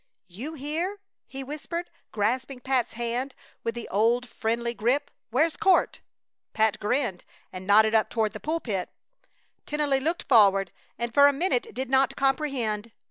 "You here!" he whispered, grasping Pat's hand with the old friendly grip. "Where's Court?" Pat grinned and nodded up toward the pulpit. Tennelly looked forward and for a minute did not comprehend.